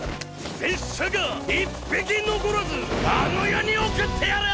拙者が一匹のこらずあの世に送ってやる！